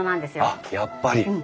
あっやっぱり。